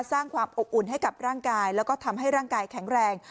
สร้างความอบอุ่นให้กับร่างกายแล้วก็ทำให้ร่างกายแข็งแรง